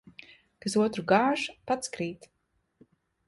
Kas otru gāž, pats krīt.